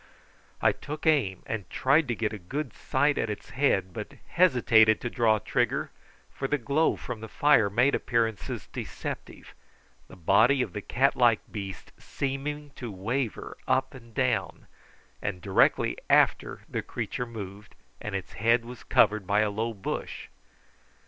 I took aim, and tried to get a good sight at its head, but hesitated to draw trigger, for the glow from the fire made appearances deceptive, the body of the cat like beast seeming to waver up and down; and directly after the creature moved, and its head was covered by a low bush.